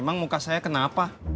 memang muka saya kenapa